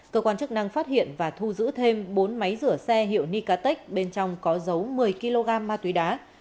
cơ quan chức năng phát hiện và thu giữ thêm bốn máy rửa xe hiệu nicatech bên trong có dấu một mươi kg ma túy đá